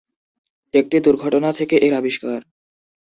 একটি দুর্ঘটনা থেকে এর আবিষ্কার।